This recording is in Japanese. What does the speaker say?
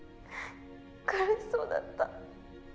苦しそうだった